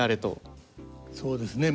そうですね。